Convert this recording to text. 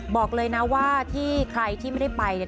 บอกเลยนะว่าที่ใครที่ไม่ได้ไปเนี่ย